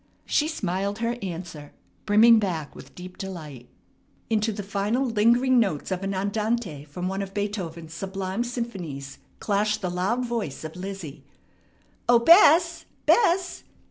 She smiled her answer, brimming back with deep delight. Into the final lingering notes of an andante from one of Beethoven's sublime symphonies clashed the loud voice of Lizzie: "O Bess! Bess!